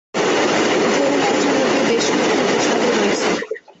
ধরুন একজন রোগীর বেশ কয়েকটি উপসর্গ রয়েছে।